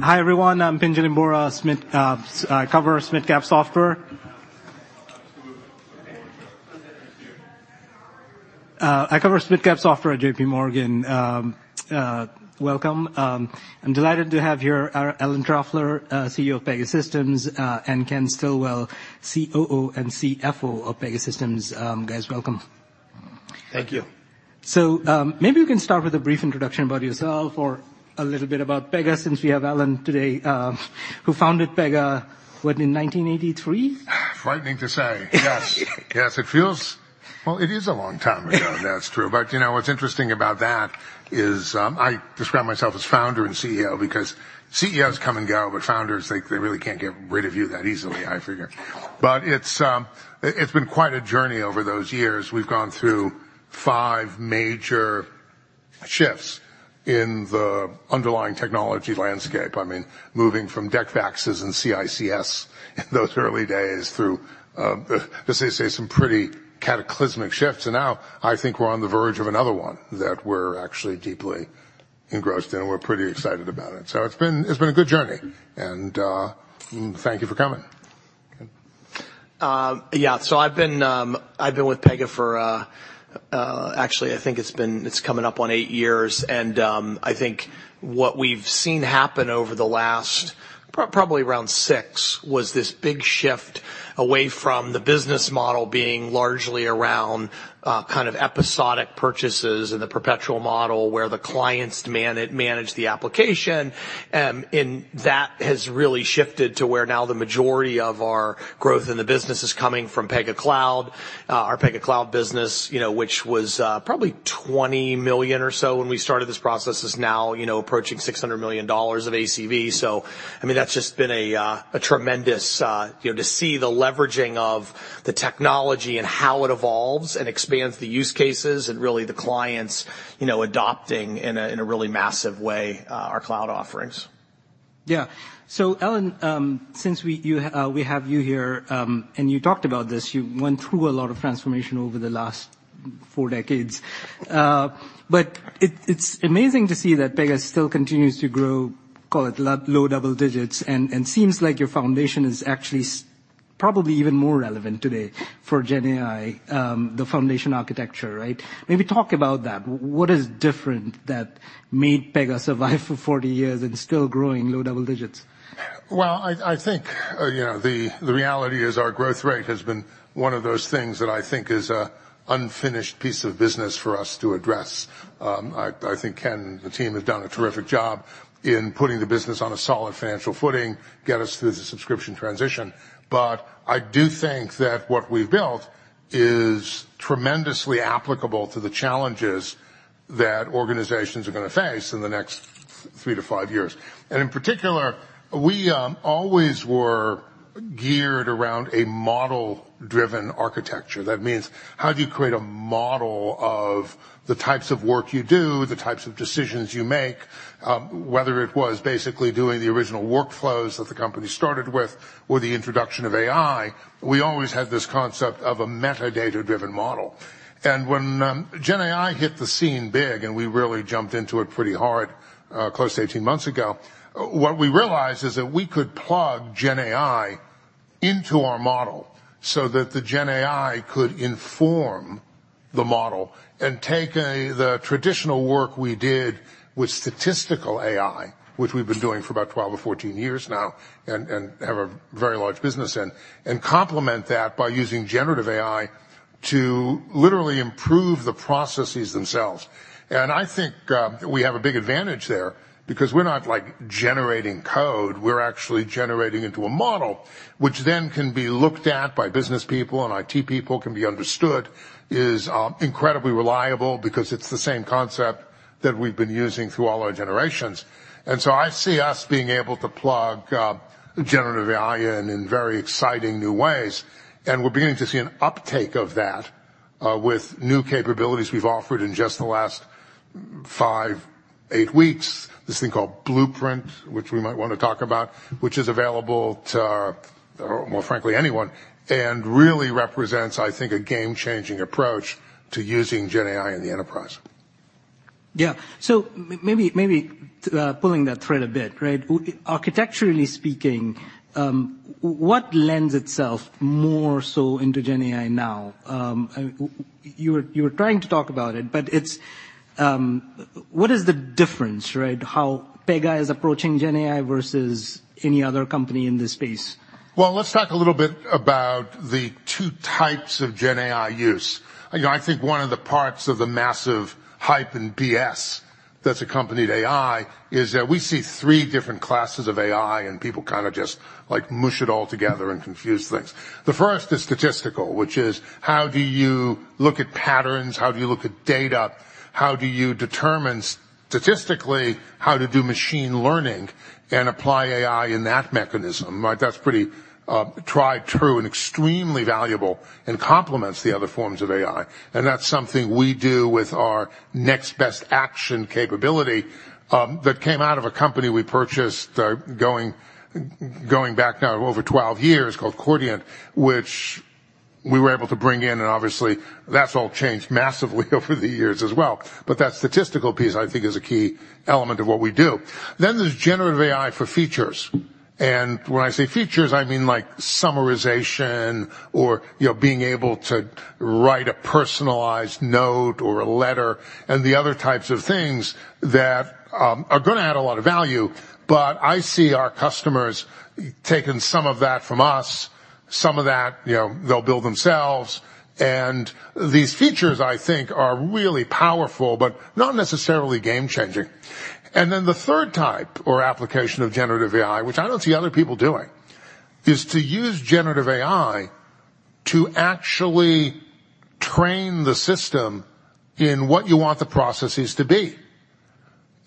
Hi, everyone, I'm Pinjalim Bora. I cover software at J.P. Morgan. Welcome. I'm delighted to have here our Alan Trefler, CEO of Pegasystems, and Ken Stillwell, COO and CFO of Pegasystems. Guys, welcome. Thank you. Maybe you can start with a brief introduction about yourself or a little bit about Pega, since we have Alan today, who founded Pega, what, in 1983? Frightening to say. Yes. Yes, it feels. Well, it is a long time ago. That's true. But, you know, what's interesting about that is, I describe myself as founder and CEO because CEOs come and go, but founders, they, they really can't get rid of you that easily, I figure. But it's, it's been quite a journey over those years. We've gone through five major shifts in the underlying technology landscape. I mean, moving from DEC VAXes and CICS in those early days through, let's just say, some pretty cataclysmic shifts. And now I think we're on the verge of another one that we're actually deeply engrossed in, and we're pretty excited about it. So it's been, it's been a good journey, and, thank you for coming. Yeah. So I've been with Pega for, actually, I think it's been, it's coming up on eight years. And I think what we've seen happen over the last probably around six, was this big shift away from the business model being largely around, kind of episodic purchases and the perpetual model where the clients manage the application. And that has really shifted to where now the majority of our growth in the business is coming from Pega Cloud. Our Pega Cloud business, you know, which was probably $20 million or so when we started this process, is now, you know, approaching $600 million of ACV. So, I mean, that's just been a, a tremendous... You know, to see the leveraging of the technology and how it evolves and expands the use cases and really the clients, you know, adopting in a really massive way, our cloud offerings. Yeah. So, Alan, since we have you here, and you talked about this, you went through a lot of transformation over the last four decades. But it's amazing to see that Pega still continues to grow, call it low double digits, and seems like your foundation is actually probably even more relevant today for GenAI, the foundation architecture, right? Maybe talk about that. What is different that made Pega survive for forty years and still growing low double digits? Well, I think, you know, the reality is our growth rate has been one of those things that I think is an unfinished piece of business for us to address. I think Ken and the team have done a terrific job in putting the business on a solid financial footing, get us through the subscription transition. But I do think that what we've built is tremendously applicable to the challenges that organizations are gonna face in the next 3-5 years. And in particular, we always were geared around a model-driven architecture. That means how do you create a model of the types of work you do, the types of decisions you make, whether it was basically doing the original workflows that the company started with or the introduction of AI, we always had this concept of a metadata-driven model. And when GenAI hit the scene big, and we really jumped into it pretty hard, close to 18 months ago, what we realized is that we could plug GenAI into our model so that the GenAI could inform the model and take the traditional work we did with statistical AI, which we've been doing for about 12 or 14 years now, and have a very large business in, and complement that by using generative AI to literally improve the processes themselves. I think we have a big advantage there because we're not, like, generating code. We're actually generating into a model, which then can be looked at by business people and IT people, can be understood, is incredibly reliable because it's the same concept that we've been using through all our generations. And so I see us being able to plug generative AI in in very exciting new ways, and we're beginning to see an uptake of that with new capabilities we've offered in just the last 5-8 weeks. This thing called Blueprint, which we might want to talk about, which is available to well, frankly, anyone, and really represents, I think, a game-changing approach to using GenAI in the enterprise. Yeah. So maybe, maybe, pulling that thread a bit, right? Architecturally speaking, what lends itself more so into GenAI now? You were, you were trying to talk about it, but it's... What is the difference, right, how Pega is approaching GenAI versus any other company in this space? Well, let's talk a little bit about the two types of GenAI use. You know, I think one of the parts of the massive hype and BS that's accompanied AI is that we see three different classes of AI, and people kinda just, like, mush it all together and confuse things. The first is statistical, which is how do you look at patterns, how do you look at data? How do you determine statistically how to do machine learning and apply AI in that mechanism? Right, that's pretty tried and true and extremely valuable and complements the other forms of AI. And that's something we do with our Next Best Action capability, that came out of a company we purchased, going back now over 12 years, called Chordiant, which we were able to bring in, and obviously that's all changed massively over the years as well. But that statistical piece, I think, is a key element of what we do. Then there's generative AI for features, and when I say features, I mean, like, summarization or, you know, being able to write a personalized note or a letter and the other types of things that, are gonna add a lot of value. But I see our customers taking some of that from us, some of that, you know, they'll build themselves. And these features, I think, are really powerful, but not necessarily game changing. And then the third type or application of generative AI, which I don't see other people doing, is to use generative AI to actually train the system in what you want the processes to be.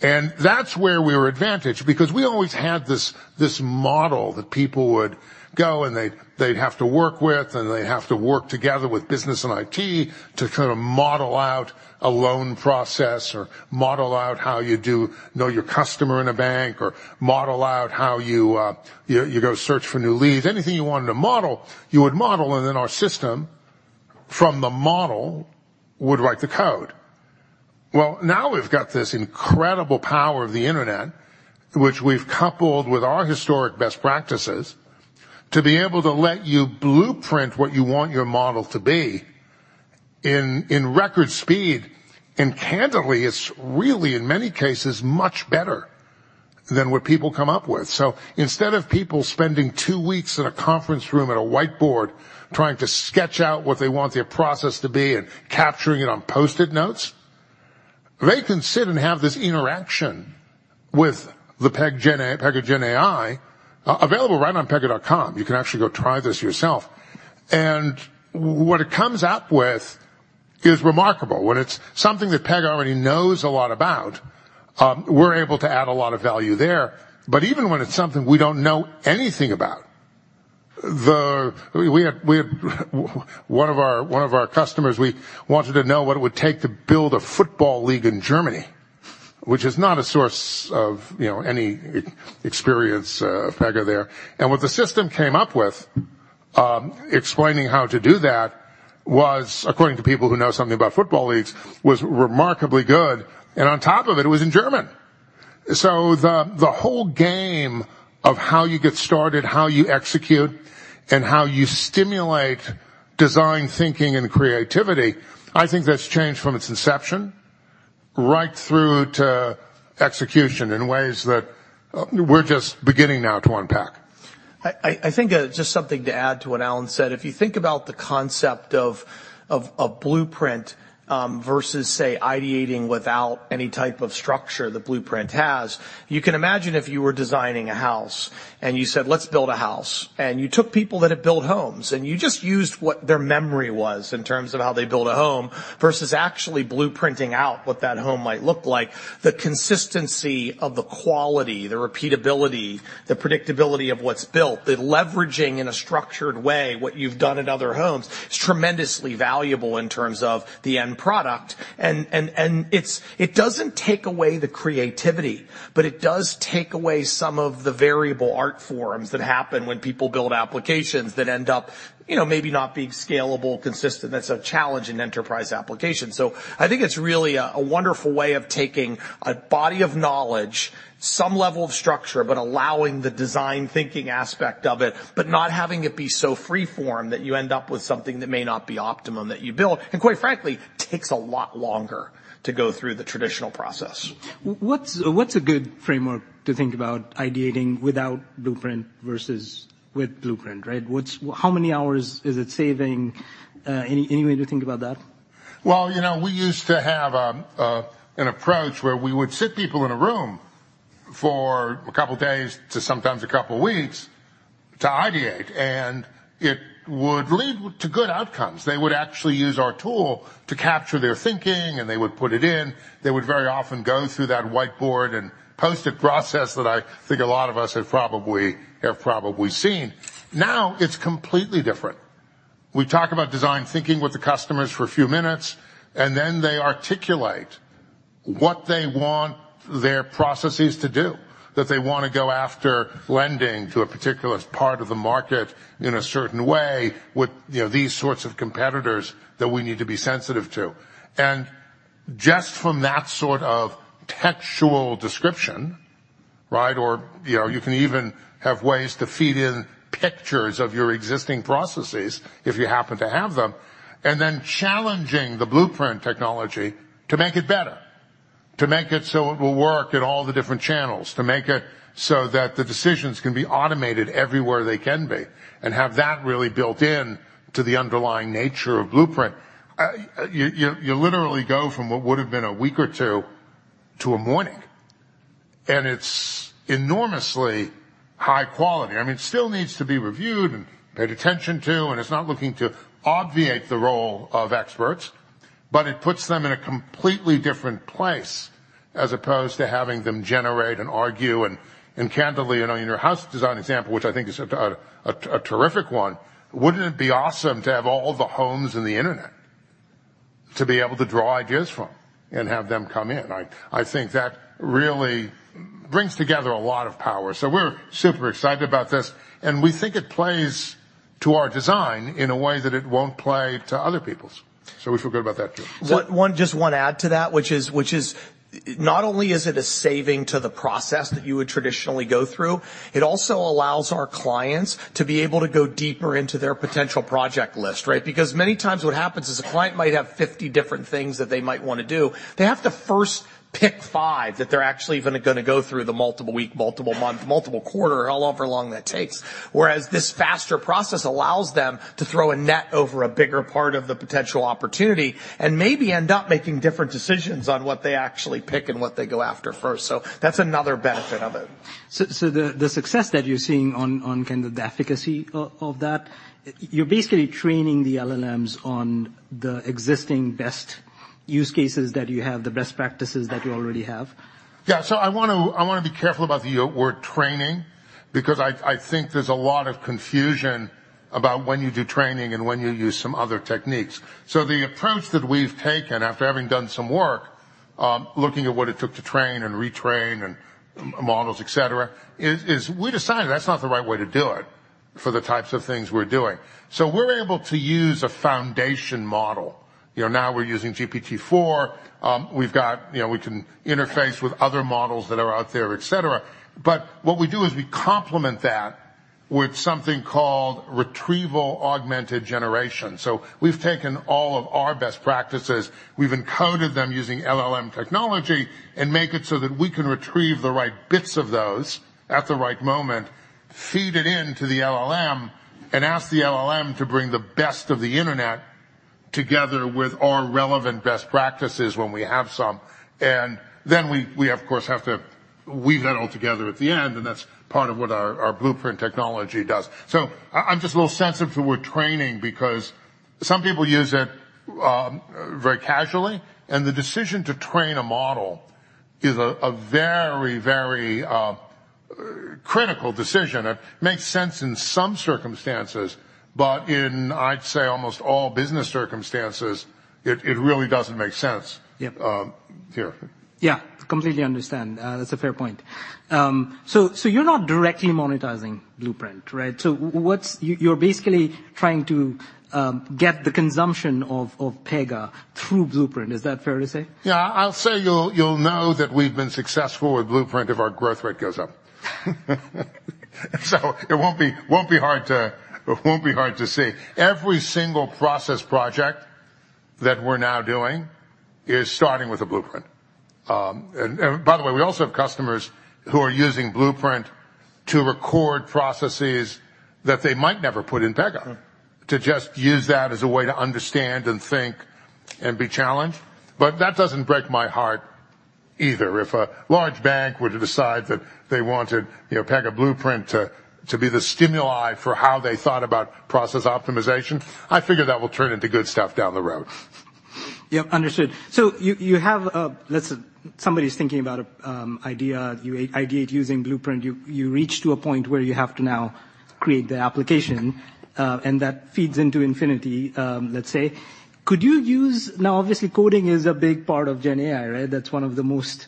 And that's where we were advantaged because we always had this model that people would go, and they'd have to work with, and they'd have to work together with business and IT to kind of model out a loan process or model out how you do know your customer in a bank, or model out how you go search for new leads. Anything you wanted to model, you would model, and then our system, from the model, would write the code. Well, now we've got this incredible power of the Internet, which we've coupled with our historic best practices, to be able to let you blueprint what you want your model to be in record speed. And candidly, it's really, in many cases, much better than what people come up with. So instead of people spending two weeks in a conference room at a whiteboard trying to sketch out what they want their process to be and capturing it on Post-it notes, they can sit and have this interaction with the Pega GenAI, available right on pega.com. You can actually go try this yourself. And what it comes up with is remarkable. When it's something that Pega already knows a lot about, we're able to add a lot of value there. But even when it's something we don't know anything about, we had one of our customers, we wanted to know what it would take to build a football league in Germany, which is not a source of, you know, any experience, Pega there. What the system came up with, explaining how to do that, was, according to people who know something about football leagues, remarkably good, and on top of it, it was in German. So the whole game of how you get started, how you execute, and how you stimulate design thinking, and creativity, I think that's changed from its inception right through to execution in ways that we're just beginning now to unpack. I think just something to add to what Alan said. If you think about the concept of a blueprint versus say ideating without any type of structure the blueprint has, you can imagine if you were designing a house, and you said, "Let's build a house." And you took people that had built homes, and you just used what their memory was in terms of how they build a home versus actually blueprinting out what that home might look like. The consistency of the quality, the repeatability, the predictability of what's built, the leveraging in a structured way what you've done in other homes, is tremendously valuable in terms of the end product. And it's—it doesn't take away the creativity, but it does take away some of the variable art forms that happen when people build applications that end up, you know, maybe not being scalable, consistent. That's a challenge in enterprise application. So I think it's really a wonderful way of taking a body of knowledge, some level of structure, but allowing the design thinking aspect of it, but not having it be so free form that you end up with something that may not be optimum that you build, and quite frankly, takes a lot longer to go through the traditional process. What's a good framework to think about ideating without blueprint versus with blueprint, right? What's— How many hours is it saving? Any way to think about that? Well, you know, we used to have an approach where we would sit people in a room for a couple of days to sometimes a couple of weeks to ideate, and it would lead to good outcomes. They would actually use our tool to capture their thinking, and they would put it in. They would very often go through that whiteboard and post a process that I think a lot of us have probably seen. Now, it's completely different. We talk about design thinking with the customers for a few minutes, and then they articulate what they want their processes to do, that they want to go after lending to a particular part of the market in a certain way, with, you know, these sorts of competitors that we need to be sensitive to. Just from that sort of textual description, right, or, you know, you can even have ways to feed in pictures of your existing processes if you happen to have them, and then challenging the blueprint technology to make it better, to make it so it will work in all the different channels, to make it so that the decisions can be automated everywhere they can be, and have that really built in to the underlying nature of blueprint. You literally go from what would have been a week or two to a morning, and it's enormously high quality. I mean, it still needs to be reviewed and paid attention to, and it's not looking to obviate the role of experts, but it puts them in a completely different place, as opposed to having them generate and argue and candidly, you know, in your house design example, which I think is a terrific one, wouldn't it be awesome to have all the homes in the Internet?... to be able to draw ideas from and have them come in. I think that really brings together a lot of power. So we're super excited about this, and we think it plays to our design in a way that it won't play to other people's. So we feel good about that too. So, just one add to that, which is, which is not only is it a saving to the process that you would traditionally go through, it also allows our clients to be able to go deeper into their potential project list, right? Because many times what happens is a client might have 50 different things that they might want to do. They have to first pick five, that they're actually even gonna go through the multiple week, multiple month, multiple quarter, however long that takes. Whereas this faster process allows them to throw a net over a bigger part of the potential opportunity and maybe end up making different decisions on what they actually pick and what they go after first. So that's another benefit of it. So, the success that you're seeing on kind of the efficacy of that, you're basically training the LLMs on the existing best use cases that you have, the best practices that you already have. Yeah. So I want to, I want to be careful about the word training, because I, I think there's a lot of confusion about when you do training and when you use some other techniques. So the approach that we've taken after having done some work, looking at what it took to train and retrain and models, et cetera, is, is we decided that's not the right way to do it for the types of things we're doing. So we're able to use a foundation model. You know, now we're using GPT-4. We've got... You know, we can interface with other models that are out there, et cetera. But what we do is we complement that with something called retrieval-augmented generation. So we've taken all of our best practices, we've encoded them using LLM technology and make it so that we can retrieve the right bits of those at the right moment, feed it into the LLM, and ask the LLM to bring the best of the internet together with our relevant best practices when we have some, and then we, of course, have to weave that all together at the end, and that's part of what our Blueprint technology does. So I'm just a little sensitive to the word training because some people use it very casually, and the decision to train a model is a very, very critical decision. It makes sense in some circumstances, but in, I'd say, almost all business circumstances, it really doesn't make sense. Yep. -um, here. Yeah, completely understand. That's a fair point. So you're not directly monetizing Blueprint, right? So what's... you're basically trying to get the consumption of Pega through Blueprint. Is that fair to say? Yeah. I'll say you'll know that we've been successful with Blueprint if our growth rate goes up. So it won't be hard to see. Every single process project that we're now doing is starting with a Blueprint. And by the way, we also have customers who are using Blueprint to record processes that they might never put in Pega- Mm. to just use that as a way to understand and think and be challenged. But that doesn't break my heart either. If a large bank were to decide that they wanted, you know, Pega Blueprint to, to be the stimuli for how they thought about process optimization, I figure that will turn into good stuff down the road. Yep, understood. So you have, let's say. Somebody's thinking about idea, you ideate using Blueprint. You reach to a point where you have to now create the application, and that feeds into Infinity, let's say. Could you use. Now, obviously, coding is a big part of GenAI, right? That's one of the most.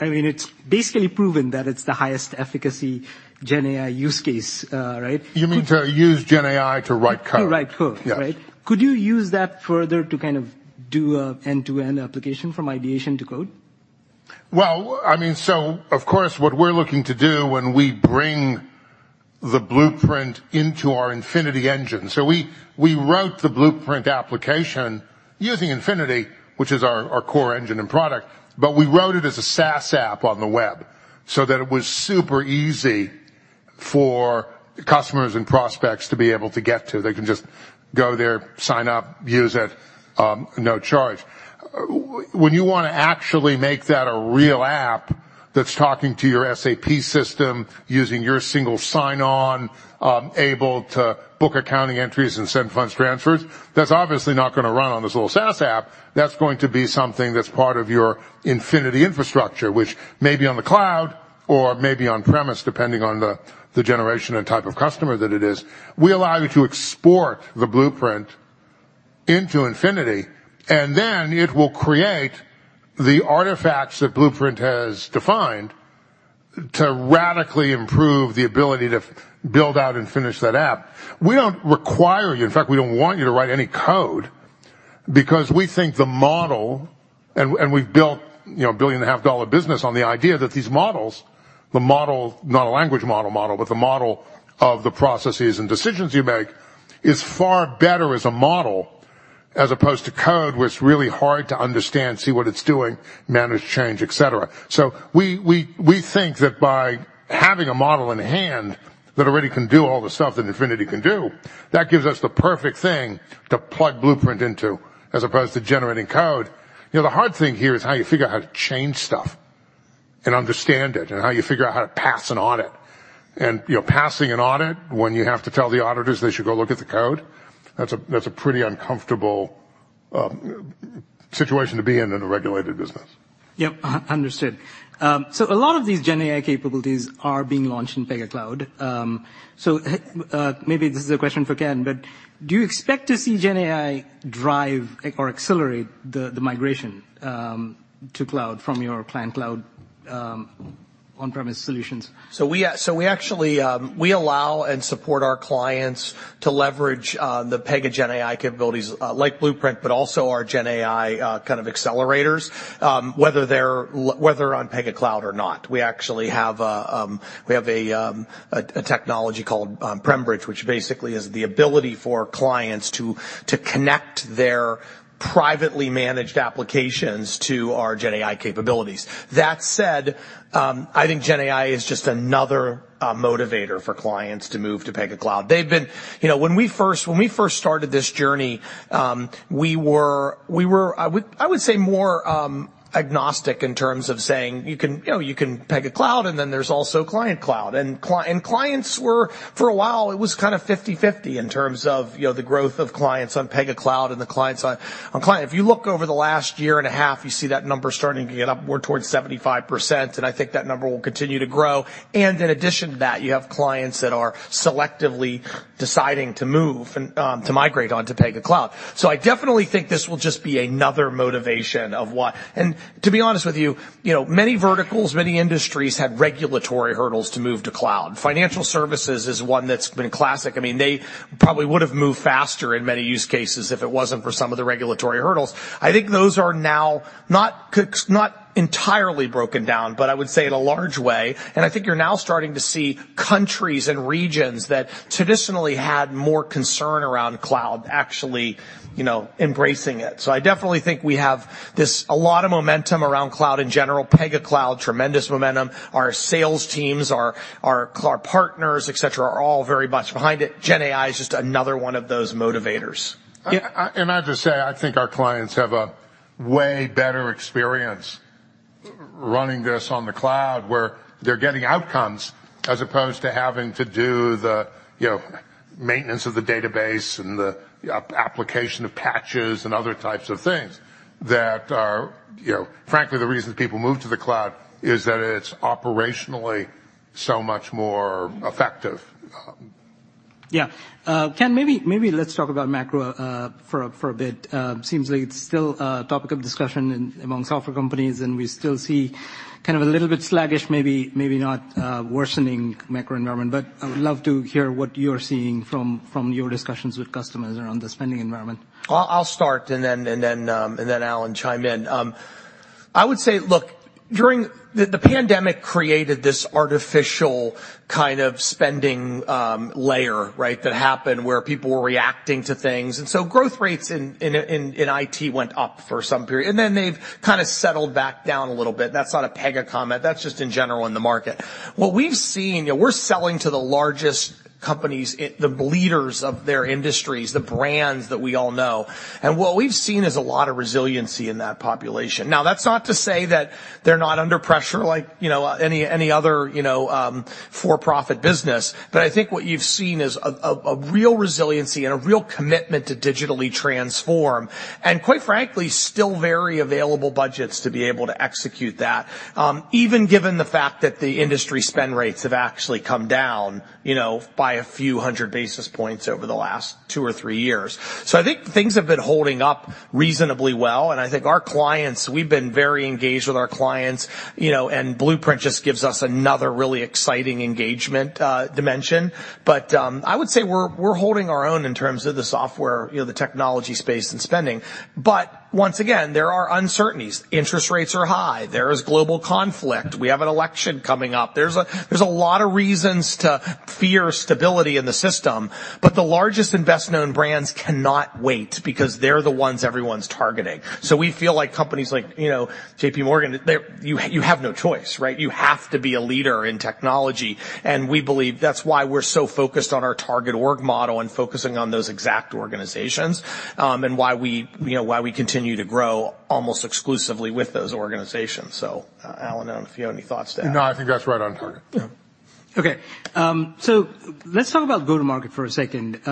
I mean, it's basically proven that it's the highest efficacy GenAI use case, right? You mean to use GenAI to write code? To write code. Yeah. Right? Could you use that further to kind of do an end-to-end application from ideation to code? Well, I mean, so of course, what we're looking to do when we bring the Blueprint into our Infinity engine. So we wrote the Blueprint application using Infinity, which is our core engine and product, but we wrote it as a SaaS app on the web so that it was super easy for customers and prospects to be able to get to. They can just go there, sign up, use it, no charge. When you wanna actually make that a real app that's talking to your SAP system, using your single sign-on, able to book accounting entries and send funds transfers, that's obviously not gonna run on this little SaaS app. That's going to be something that's part of your Infinity infrastructure, which may be on the cloud or may be on-premise, depending on the generation and type of customer that it is. We allow you to export the Blueprint into Infinity, and then it will create the artifacts that Blueprint has defined to radically improve the ability to build out and finish that app. We don't require you... In fact, we don't want you to write any code because we think the model, and we, and we've built, you know, a $1.5 billion business on the idea that these models, the model, not a language model model, but the model of the processes and decisions you make, is far better as a model as opposed to code, where it's really hard to understand, see what it's doing, manage change, et cetera. So we think that by having a model in hand that already can do all the stuff that Infinity can do, that gives us the perfect thing to plug Blueprint into, as opposed to generating code. You know, the hard thing here is how you figure out how to change stuff and understand it, and how you figure out how to pass an audit. You know, passing an audit when you have to tell the auditors they should go look at the code, that's a pretty uncomfortable situation to be in than a regulated business. Yep, understood. So a lot of these GenAI capabilities are being launched in Pega Cloud. So maybe this is a question for Ken, but do you expect to see GenAI drive or accelerate the migration to cloud from your client cloud on-premise solutions? So we actually, we allow and support our clients to leverage, the Pega GenAI capabilities, like Blueprint, but also our GenAI, kind of accelerators, whether on Pega Cloud or not. We actually have a technology called PremBridge, which basically is the ability for clients to connect their privately managed applications to our GenAI capabilities. That said, I think GenAI is just another motivator for clients to move to Pega Cloud. They've been... You know, when we first started this journey, we were, I would say, more agnostic in terms of saying, you can, you know, you can Pega Cloud, and then there's also Client Cloud. And clients were, for a while, it was kind of 50/50 in terms of, you know, the growth of clients on Pega Cloud and the clients on client. If you look over the last year and a half, you see that number starting to get upward towards 75%, and I think that number will continue to grow. And in addition to that, you have clients that are selectively deciding to move and to migrate onto Pega Cloud. So I definitely think this will just be another motivation of why. And to be honest with you, you know, many verticals, many industries, had regulatory hurdles to move to cloud. Financial services is one that's been classic. I mean, they probably would've moved faster in many use cases if it wasn't for some of the regulatory hurdles. I think those are now not entirely broken down, but I would say in a large way, and I think you're now starting to see countries and regions that traditionally had more concern around cloud, actually, you know, embracing it. So I definitely think we have this, a lot of momentum around cloud in general. Pega Cloud, tremendous momentum. Our sales teams, our partners, et cetera, are all very much behind it. GenAI is just another one of those motivators. I have to say, I think our clients have a way better experience running this on the cloud, where they're getting outcomes as opposed to having to do the, you know, maintenance of the database and the application of patches and other types of things that are... You know, frankly, the reason people move to the cloud is that it's operationally so much more effective. Yeah. Ken, maybe, maybe let's talk about macro for a bit. Seems like it's still a topic of discussion in among software companies, and we still see kind of a little bit sluggish, maybe, maybe not, worsening macro environment. But I would love to hear what you're seeing from your discussions with customers around the spending environment. I'll start, and then Alan, chime in. I would say, look, during the pandemic created this artificial kind of spending layer, right, that happened, where people were reacting to things. And so growth rates in IT went up for some period, and then they've kind of settled back down a little bit. That's not a Pega comment. That's just in general in the market. What we've seen, you know, we're selling to the largest companies, the leaders of their industries, the brands that we all know, and what we've seen is a lot of resiliency in that population. Now, that's not to say that they're not under pressure like, you know, any other, you know, for-profit business. But I think what you've seen is a real resiliency and a real commitment to digitally transform, and quite frankly, still very available budgets to be able to execute that, even given the fact that the industry spend rates have actually come down, you know, by a few hundred basis points over the last 2 or 3 years. So I think things have been holding up reasonably well, and I think our clients, we've been very engaged with our clients, you know, and Blueprint just gives us another really exciting engagement dimension. But I would say we're holding our own in terms of the software, you know, the technology space and spending. But once again, there are uncertainties. Interest rates are high. There is global conflict. We have an election coming up. There's a lot of reasons to fear stability in the system, but the largest and best-known brands cannot wait because they're the ones everyone's targeting. So we feel like companies like, you know, J.P. Morgan, they're- you, you have no choice, right? You have to be a leader in technology, and we believe that's why we're so focused on our Target Org Model and focusing on those exact organizations, and why we, you know, why we continue to grow almost exclusively with those organizations. So, Alan, I don't know if you have any thoughts to add. No, I think that's right on target. Yeah. Okay, so let's talk about go-to-market for a second.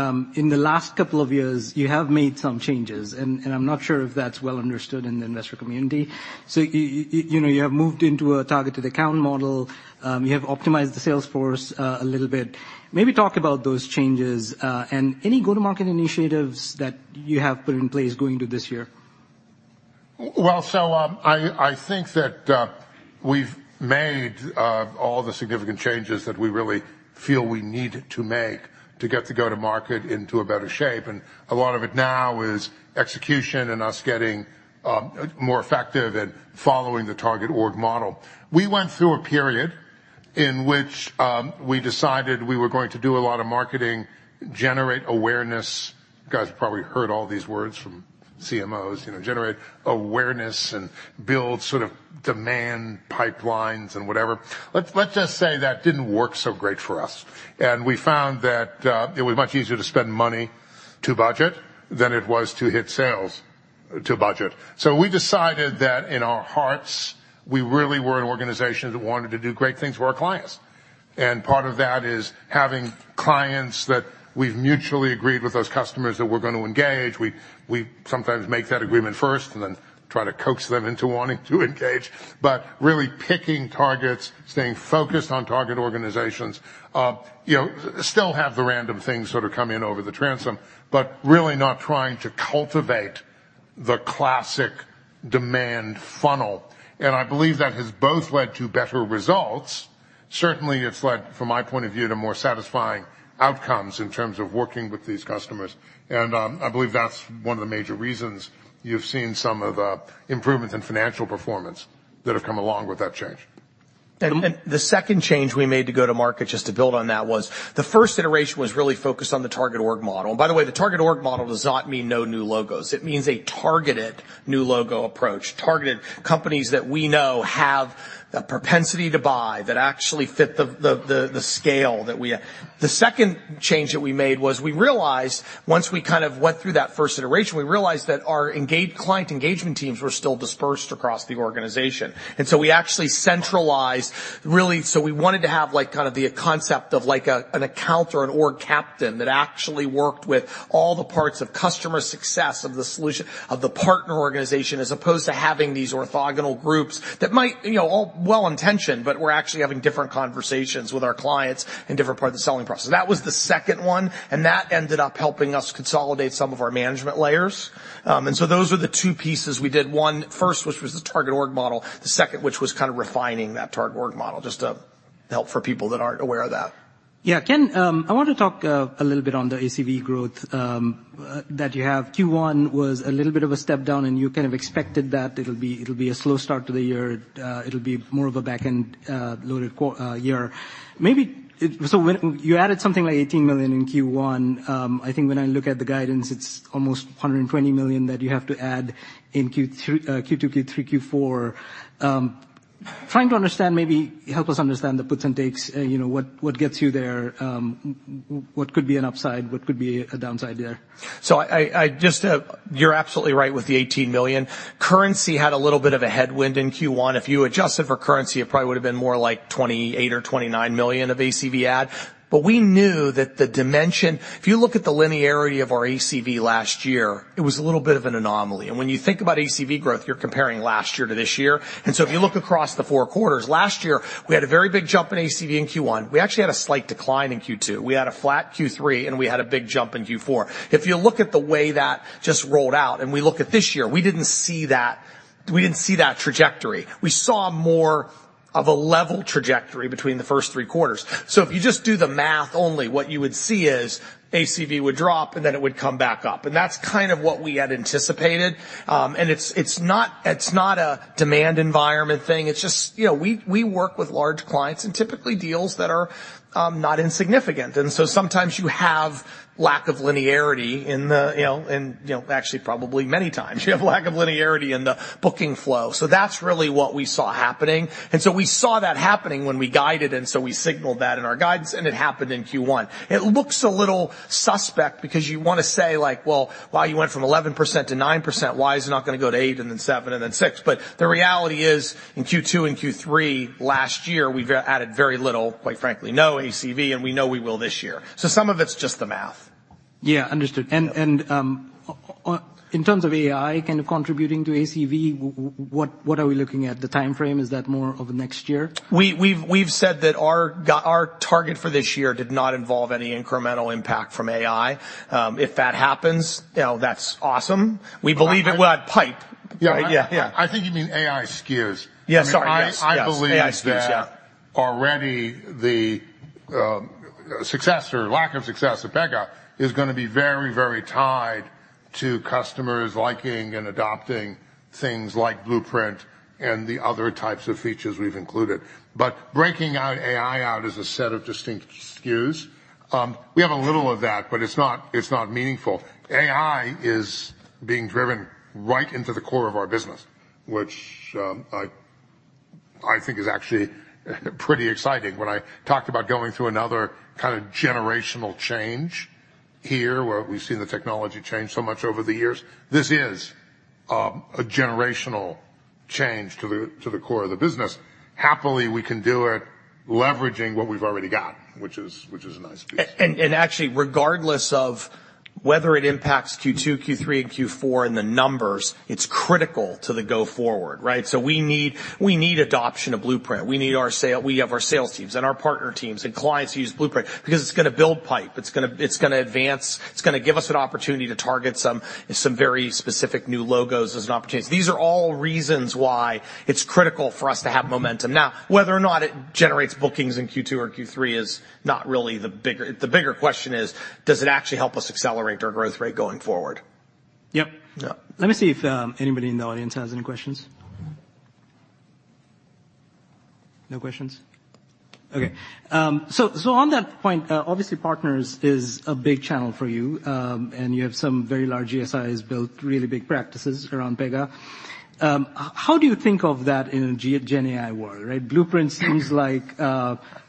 In the last couple of years, you have made some changes, and I'm not sure if that's well understood in the investor community. So you know, you have moved into a targeted account model. You have optimized the sales force a little bit. Maybe talk about those changes, and any go-to-market initiatives that you have put in place going into this year. Well, so, I think that we've made all the significant changes that we really feel we need to make to get the go-to-market into a better shape, and a lot of it now is execution and us getting more effective at following the Target Org Model. We went through a period in which we decided we were going to do a lot of marketing, generate awareness. You guys have probably heard all these words from CMOs, you know, generate awareness and build sort of demand pipelines and whatever. Let's just say that didn't work so great for us, and we found that it was much easier to spend money to budget than it was to hit sales to a budget. So we decided that in our hearts, we really were an organization that wanted to do great things for our clients. Part of that is having clients that we've mutually agreed with those customers that we're going to engage. We sometimes make that agreement first and then try to coax them into wanting to engage. But really picking targets, staying focused on target organizations, you know, still have the random things sort of come in over the transom, but really not trying to cultivate the classic demand funnel. I believe that has both led to better results. Certainly, it's led, from my point of view, to more satisfying outcomes in terms of working with these customers. I believe that's one of the major reasons you've seen some of the improvements in financial performance that have come along with that change. And the second change we made to go to market, just to build on that, was the first iteration was really focused on the Target Org Model. And by the way, the Target Org Model does not mean no new logos. It means a targeted new logo approach, targeted companies that we know have the propensity to buy, that actually fit the scale that we have. The second change that we made was we realized once we kind of went through that first iteration, we realized that our client engagement teams were still dispersed across the organization, and so we actually centralized, really... So we wanted to have, like, kind of the concept of, like, a, an account or an org captain that actually worked with all the parts of customer success, of the solution, of the partner organization, as opposed to having these orthogonal groups that might, you know, all well-intentioned, but were actually having different conversations with our clients in different parts of the selling process. That was the second one, and that ended up helping us consolidate some of our management layers. And so those were the two pieces we did. One first, which was the Target Org Model, the second, which was kind of refining that Target Org Model, just to help for people that aren't aware of that. Yeah. Ken, I want to talk a little bit on the ACV growth that you have. Q1 was a little bit of a step down, and you kind of expected that it'll be, it'll be a slow start to the year, it'll be more of a back-end loaded year. Maybe it so when... You added something like $18 million in Q1. I think when I look at the guidance, it's almost $120 million that you have to add in Q2, Q3, Q4. Trying to understand, maybe help us understand the puts and takes, you know, what, what gets you there, what could be an upside? What could be a downside there? So I just... You're absolutely right with the $18 million. Currency had a little bit of a headwind in Q1. If you adjusted for currency, it probably would have been more like $28 million or $29 million of ACV add. But we knew that the dimension-- If you look at the linearity of our ACV last year, it was a little bit of an anomaly, and when you think about ACV growth, you're comparing last year to this year. And so if you look across the Q4, last year, we had a very big jump in ACV in Q1. We actually had a slight decline in Q2. We had a flat Q3, and we had a big jump in Q4. If you look at the way that just rolled out and we look at this year, we didn't see that, we didn't see that trajectory. We saw more of a level trajectory between the first Q3. So if you just do the math only, what you would see is ACV would drop, and then it would come back up, and that's kind of what we had anticipated. And it's not a demand environment thing. It's just, you know, we work with large clients and typically deals that are not insignificant. And so sometimes you have lack of linearity in the booking flow. Actually, probably many times you have lack of linearity in the booking flow. So that's really what we saw happening. And so we saw that happening when we guided, and so we signaled that in our guidance, and it happened in Q1. It looks a little suspect because you want to say, like, well, wow, you went from 11% to 9%, why is it not going to go to 8, and then 7, and then 6? But the reality is, in Q2 and Q3 last year, we've added very little, quite frankly, no ACV, and we know we will this year. So some of it's just the math. Yeah, understood. And in terms of AI kind of contributing to ACV, what are we looking at? The time frame, is that more of next year? We've said that our target for this year did not involve any incremental impact from AI. If that happens, you know, that's awesome. We believe it will have pipe, right? Yeah, yeah. I think you mean AI SKUs. Yes, sorry. Yes. I believe- AI SKUs, yeah... already the success or lack of success at Pega is gonna be very, very tied to customers liking and adopting things like Blueprint and the other types of features we've included. But breaking out AI out as a set of distinct SKUs, we have a little of that, but it's not, it's not meaningful. AI is being driven right into the core of our business, which, I, I think is actually pretty exciting. When I talked about going through another kind of generational change here, where we've seen the technology change so much over the years, this is, a generational change to the, to the core of the business. Happily, we can do it, leveraging what we've already got, which is, which is a nice piece. And actually, regardless of whether it impacts Q2, Q3, and Q4 in the numbers, it's critical to the go forward, right? So we need adoption of Blueprint. We need our sales teams and our partner teams and clients who use Blueprint because it's gonna build pipe, it's gonna advance, it's gonna give us an opportunity to target some very specific new logos as an opportunity. These are all reasons why it's critical for us to have momentum. Now, whether or not it generates bookings in Q2 or Q3 is not really the bigger... The bigger question is, does it actually help us accelerate our growth rate going forward? Yep. Yeah. Let me see if anybody in the audience has any questions. No questions? Okay. So, so on that point, obviously, partners is a big channel for you, and you have some very large GSIs built, really big practices around Pega. How do you think of that in a GenAI world, right? Blueprint seems like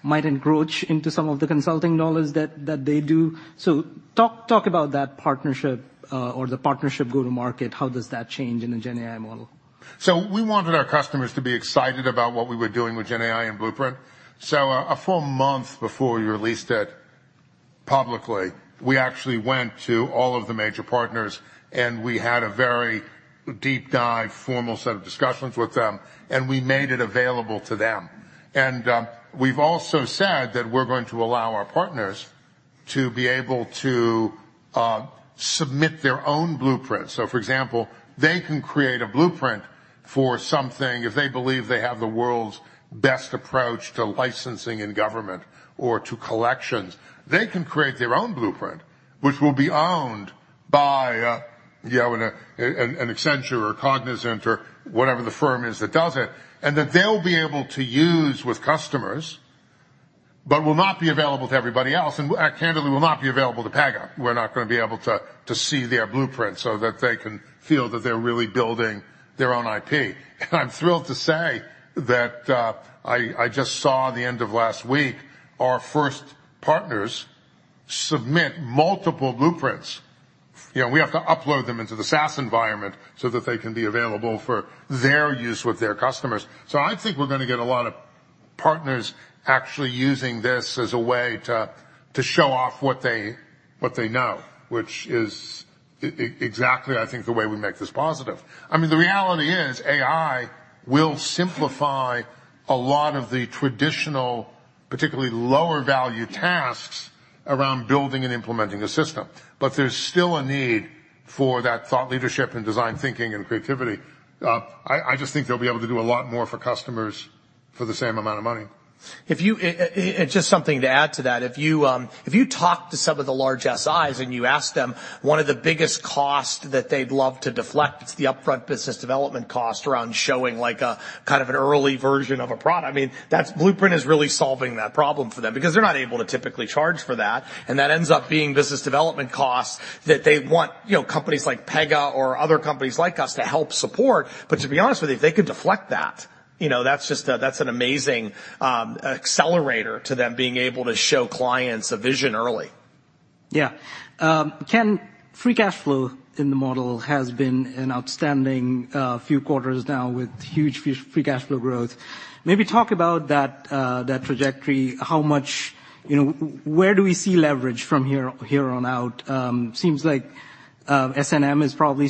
might encroach into some of the consulting knowledge that, that they do. So talk, talk about that partnership, or the partnership go-to-market. How does that change in a GenAI model? So we wanted our customers to be excited about what we were doing with GenAI and Blueprint. So a full month before we released it publicly, we actually went to all of the major partners, and we had a very deep dive, formal set of discussions with them, and we made it available to them. And, we've also said that we're going to allow our partners to be able to submit their own blueprint. So for example, they can create a blueprint for something if they believe they have the world's best approach to licensing in government or to collections. They can create their own blueprint, which will be owned by, you know, an Accenture or Cognizant or whatever the firm is that does it, and that they'll be able to use with customers, but will not be available to everybody else, and candidly, will not be available to Pega. We're not gonna be able to see their blueprint so that they can feel that they're really building their own IP. And I'm thrilled to say that, I just saw the end of last week, our first partners submit multiple Blueprints. You know, we have to upload them into the SaaS environment so that they can be available for their use with their customers. So I think we're gonna get a lot of partners actually using this as a way to show off what they know, which is exactly, I think, the way we make this positive. I mean, the reality is, AI will simplify a lot of the traditional, particularly lower-value tasks around building and implementing a system, but there's still a need for that thought leadership and design thinking and creativity. I just think they'll be able to do a lot more for customers for the same amount of money. And just something to add to that, if you talk to some of the large SIs and you ask them, one of the biggest costs that they'd love to deflect, it's the upfront business development cost around showing, like a kind of an early version of a product. I mean, that's. Blueprint is really solving that problem for them because they're not able to typically charge for that, and that ends up being business development costs that they want, you know, companies like Pega or other companies like us to help support. But to be honest with you, if they could deflect that, you know, that's just a, that's an amazing accelerator to them being able to show clients a vision early. Yeah. Ken, free cash flow in the model has been an outstanding few quarters now with huge free cash flow growth. Maybe talk about that, that trajectory. How much... You know, where do we see leverage from here on out? Seems like S&M is probably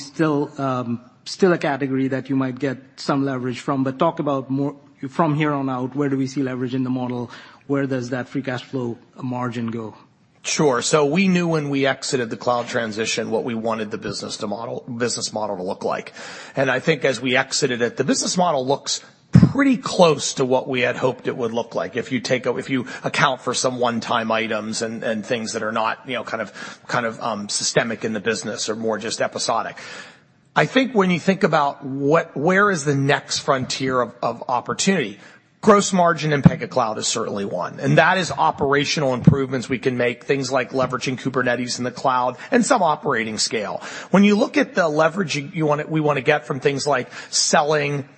still a category that you might get some leverage from. But talk about more from here on out, where do we see leverage in the model? Where does that free cash flow margin go? Sure. So we knew when we exited the cloud transition, what we wanted the business model to look like. And I think as we exited it, the business model looks pretty close to what we had hoped it would look like. If you account for some one-time items and things that are not, you know, kind of systemic in the business or more just episodic. I think when you think about where is the next frontier of opportunity, gross margin in Pega Cloud is certainly one, and that is operational improvements we can make, things like leveraging Kubernetes in the cloud and some operating scale. When you look at the leverage, we wanna get from things like selling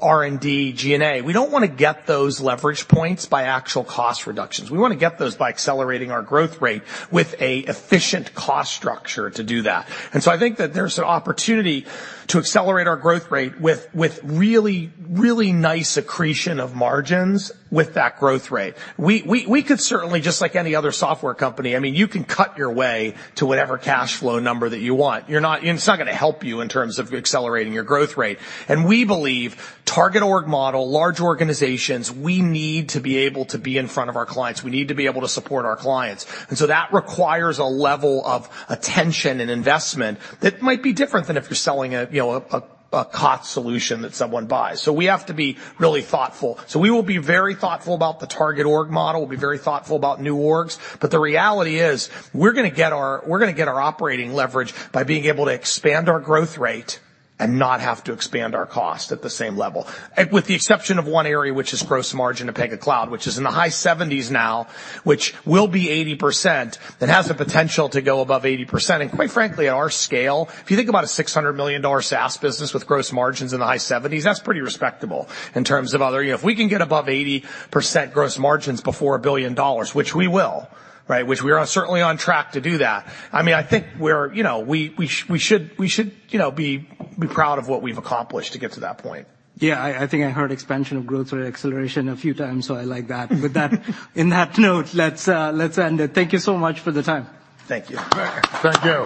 R&D, G&A; we don't wanna get those leverage points by actual cost reductions. We wanna get those by accelerating our growth rate with an efficient cost structure to do that. So I think that there's an opportunity to accelerate our growth rate with really, really nice accretion of margins with that growth rate. We could certainly, just like any other software company, I mean, you can cut your way to whatever cash flow number that you want. You're not. It's not gonna help you in terms of accelerating your growth rate. And we believe Target Org Model, large organizations, we need to be able to be in front of our clients. We need to be able to support our clients. And so that requires a level of attention and investment that might be different than if you're selling a, you know, a cost solution that someone buys. So we have to be really thoughtful. We will be very thoughtful about the target org model. We'll be very thoughtful about new orgs, but the reality is, we're gonna get our operating leverage by being able to expand our growth rate and not have to expand our cost at the same level. With the exception of one area, which is gross margin in Pega Cloud, which is in the high 70s% now, which will be 80%, and has the potential to go above 80%. Quite frankly, at our scale, if you think about a $600 million SaaS business with gross margins in the high 70s%, that's pretty respectable in terms of other... You know, if we can get above 80% gross margins before $1 billion, which we will, right, which we are certainly on track to do that, I mean, I think we're, you know, we should, you know, be proud of what we've accomplished to get to that point. Yeah, I think I heard expansion of growth or acceleration a few times, so I like that. With that, in that note, let's end it. Thank you so much for the time. Thank you. Thank you.